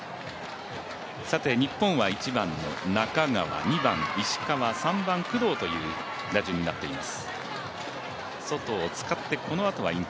日本は１番の中川３番・工藤という、打順になっています。